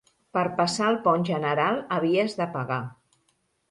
Per passar el pont general, havies de pagar.